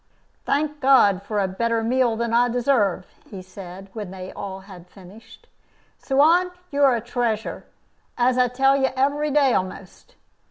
"Thank God for a better meal than I deserve," he said, when they all had finished. "Suan, you are a treasure, as I tell you every day a'most.